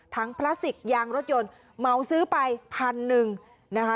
พลาสติกยางรถยนต์เหมาซื้อไปพันหนึ่งนะคะ